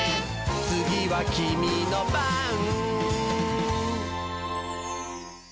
「つぎはキミのばん」